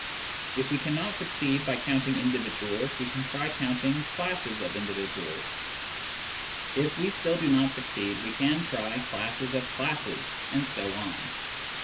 If we cannot succeed by counting individuals, we can try counting classes of individuals ; if we still do not succeed, we can try classes of classes, and so on.